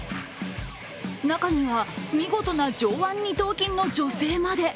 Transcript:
中には、見事な上腕二頭筋の女性まで。